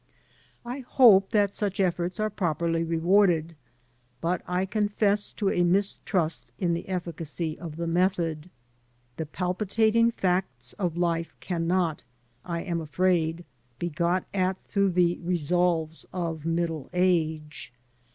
I hope that such efforts are properly rewarded, but I confess to a mistrust in the efficacy of the method. The palpitating facts of Ufe cannot, I am afraid, be got at through the resolves of middle age.